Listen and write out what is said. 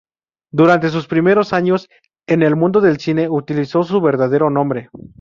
Durante sus primeros años en el mundo del cine utilizó su verdadero nombre.